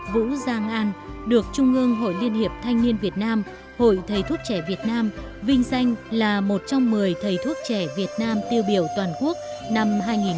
vũ giang an được trung ương hội liên hiệp thanh niên việt nam hội thầy thuốc trẻ việt nam vinh danh là một trong một mươi thầy thuốc trẻ việt nam tiêu biểu toàn quốc năm hai nghìn một mươi tám